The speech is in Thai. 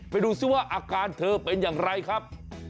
ไปดูซิว่าอาการเธอเป็นอย่างไรครับ